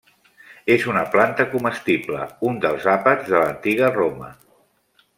És una planta comestible, un dels àpats de l'antiga Roma.